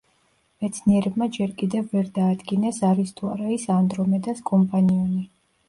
მეცნიერებმა ჯერ კიდევ ვერ დაადგინეს, არის თუ არა ის ანდრომედას კომპანიონი.